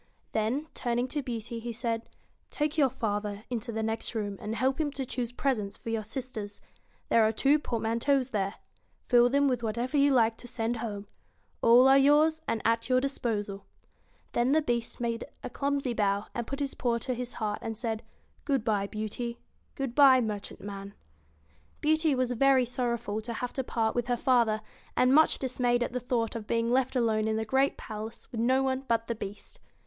Then, turning to Beauty, he said : 'Take your father into the next room, and help him to choose presents for your sisters. There are two port manteaus there. Fill them with whatever you like to send home. All are yours, and at your disposal.' Then the Beast made a clumsy bow, put his paw to his heart, and said :* Good bye, Beauty ; good bye, merchantman.' Beauty was very sorrowful to have to part with her father, and much dismayed at the thought of being left alone in the great palace with no one but the Beast.